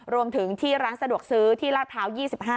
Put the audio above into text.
รวมถึงที่ร้านสะดวกซื้อที่ลาดพร้าว๒๕